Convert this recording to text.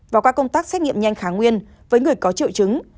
và qua công tác xét nghiệm nhanh kháng nguyên với người có triệu chứng